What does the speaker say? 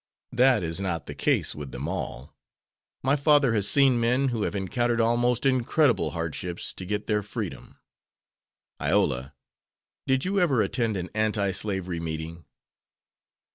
"That is not the case with them all. My father has seen men who have encountered almost incredible hardships to get their freedom. Iola, did you ever attend an anti slavery meeting?"